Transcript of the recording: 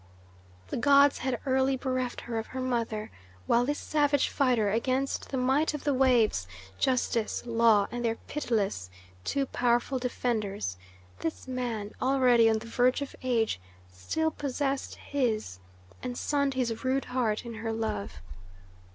The gods had early bereft her of her mother, while this savage fighter against the might of the waves, justice, law, and their pitiless, too powerful defenders, this man, already on the verge of age, still possessed his, and sunned his rude heart in her love.